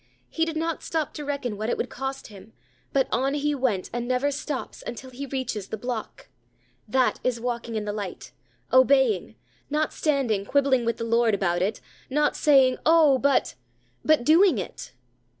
He did not stop to reckon what it would cost him, but on he went, and never stops, until he reaches the block. That is walking in the light obeying not standing, quibbling with the Lord about it; not saying, "Oh! but," but doing it.